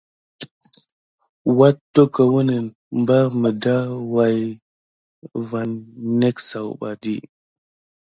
Wat-tokowəni na ɓare miɖa wuya kiɗi net sayuɓa.